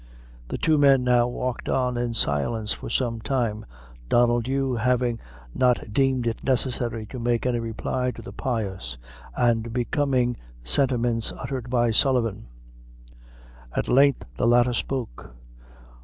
The two men now walked on in silence for some time, Donnel Dhu having not deemed it necessary to make any reply to the pious and becoming sentiments uttered by Sullivan. At length the latter spoke.